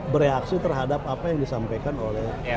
bereaksi terhadap apa yang disampaikan oleh